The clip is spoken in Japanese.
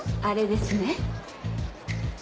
あれですね？